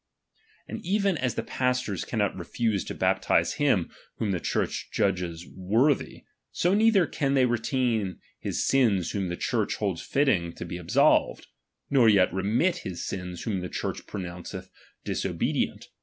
And even as the pastors cannot refuse to baptize him whom the Church judges worthy, so neither can they retain his sins whom the Church holds fitting to be ab solved, nor yet remit his sins whom the Church pronounceth disobedient.